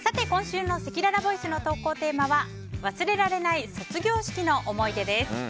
今週のせきららボイスの投稿テーマは忘れられない卒業式の思い出です。